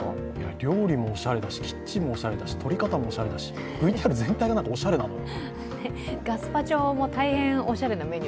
料理もおしゃれだし、キッチンもおしゃれだし撮り方もおしゃれだし、ＶＴＲ全体がおしゃれなのよ。